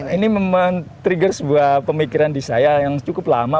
ini men trigger sebuah pemikiran di saya yang cukup lama